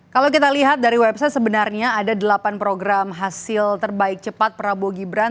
kalau kita lihat dari website sebenarnya ada delapan program hasil terbaik cepat prabowo gibran